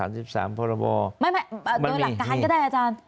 โดยหลักการก็ได้อาจารย์